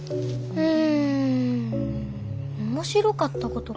うん。